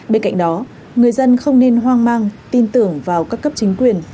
bên cạnh đó người dân không nên hoang mang tin tưởng vào các cấp chính quyền